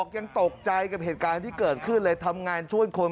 แล้วอ้างด้วยว่าผมเนี่ยทำงานอยู่โรงพยาบาลดังนะฮะกู้ชีพที่เขากำลังมาประถมพยาบาลดังนะฮะ